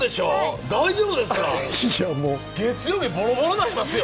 大丈夫ですか、月曜日、ボロボロになりますよ。